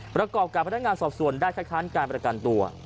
ประกอบกับพนักงานสอบส่วนได้คัดค้านการประกันตัว